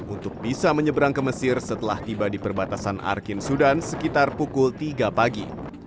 untuk bisa menyeberang ke mesir setelah tiba di perbatasan arkin sudan sekitar pukul tiga pagi